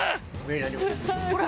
ほら。